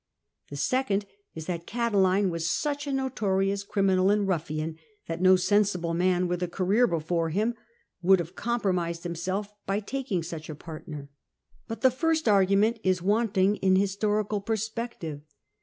The second is that Catiline was such a notorious criminal and ruffian, that no sensible man, with a career before him, would have compromised himself by taking such a partner. But the first argument is wanting in historical perspective.